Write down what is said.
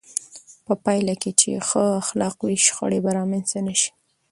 په پایله کې چې ښو اخلاق وي، شخړې به رامنځته نه شي.